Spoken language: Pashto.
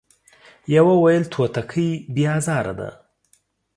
يوه ويل توتکۍ بې ازاره ده ،